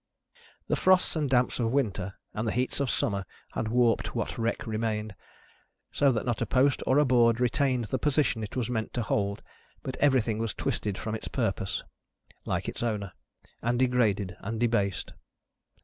The frosts and damps of winter, and the heats of summer, had warped what wreck remained, so that not a post or a board retained the position it was meant to hold, but everything was twisted from its purpose, like its owner, and degraded and debased.